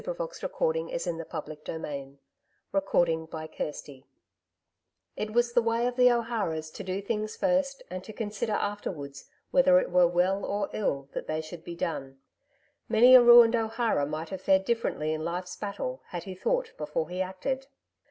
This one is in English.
BOOK II FROM THE POINT OF VIEW OF LADY BRIDGET O'HARA CHAPTER 1 It was the way of the O'Haras to do things first and to consider afterwards whether it were well or ill that they should be done. Many a ruined O'Hara might have fared differently in life's battle had he thought before he acted.